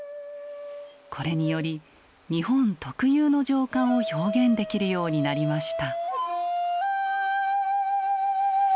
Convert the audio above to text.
これにより日本特有の情感を表現できるようになりました。